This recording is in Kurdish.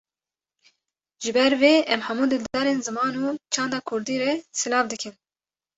Ji ber vê em hemû dildarên ziman û çanda Kurdî re silav dikin.